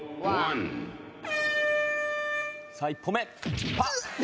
さぁ１歩目。